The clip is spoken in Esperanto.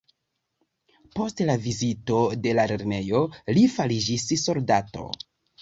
Post la vizito de la lernejo li fariĝis soldato.